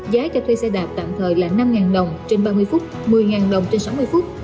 giá cho thuê xe đạp tạm thời là năm đồng trên ba mươi phút một mươi đồng trên sáu mươi phút